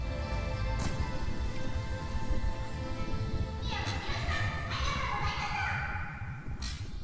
三山ひろしさんありがとうございました。